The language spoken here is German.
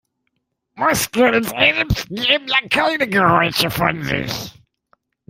Muskeln selbst geben ja keine Geräusche von sich.